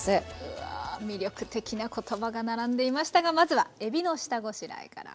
うわ魅力的な言葉が並んでいましたがまずはえびの下ごしらえから。